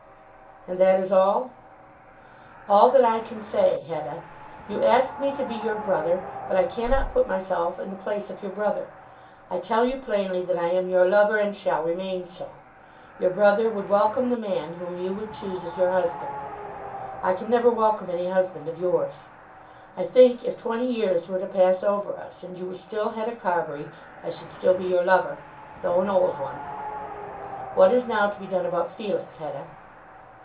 "And that is all?" "All that I can say, Hetta. You ask me to be your brother; but I cannot put myself in the place of your brother. I tell you plainly that I am your lover, and shall remain so. Your brother would welcome the man whom you would choose as your husband. I can never welcome any husband of yours. I think if twenty years were to pass over us, and you were still Hetta Carbury, I should still be your lover, though an old one. What is now to be done about Felix, Hetta?"